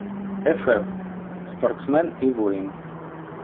Ефеб - спортсмен і воїн